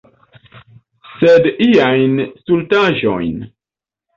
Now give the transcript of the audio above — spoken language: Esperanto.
Sed iajn stultaĵojn.